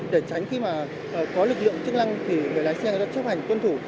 để tránh khi mà có lực lượng chức lăng thì người lái xe đã chấp hành tuân thủ